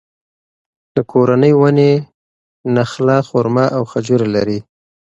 د کورنۍ ونې نخله، خورما او خجوره لري.